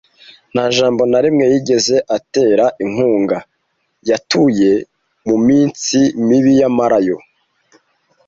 Nta jambo na rimwe yigeze atera inkunga. Yatuye muminsi mibi yamarayo.